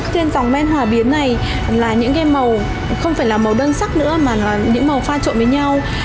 trên dòng men hòa biến này là những cái màu không phải là màu đơn sắc nữa mà là những màu pha trộn với nhau